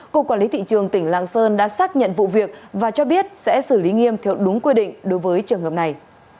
cục quản lý thị trường tỉnh lạng sơn đã xác nhận vụ việc và cho biết sẽ xử lý nghiêm theo đúng quy định đối với trường hợp này